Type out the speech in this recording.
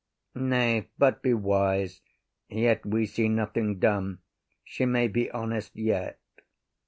IAGO. Nay, but be wise. Yet we see nothing done, She may be honest yet.